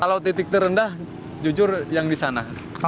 kalau titik terendah jujur yang di sana